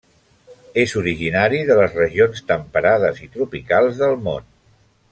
És originari de les regions temperades i tropicals del món.